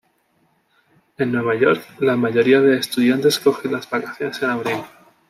En Nueva York la mayoría de estudiantes cogen las vacaciones en abril.